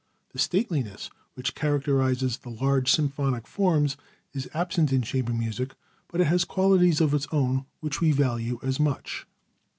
The stateliness which characterizes the large symphonic forms is absent in chamber music, but it has qualities of its own which we value as much.